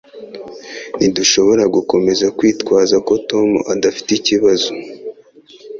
Ntidushobora gukomeza kwitwaza ko Tom adafite ikibazo.